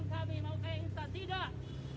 kami mau ke instan tidak